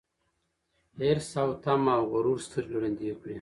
حرص او تمه او غرور سترګي ړندې کړي